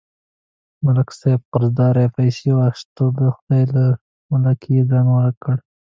ملک صاحب قرضدارۍ پسې واخیست، د خدای له ملکه یې ځان ورک کړ.